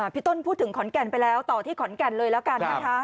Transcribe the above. พี่ต้นพูดถึงขอนแก่นไปแล้วต่อที่ขอนแก่นเลยแล้วกันนะคะ